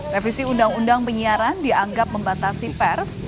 revisi undang undang penyiaran dianggap membatasi pers